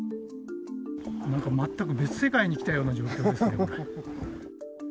全く別世界に来たような状況ですね。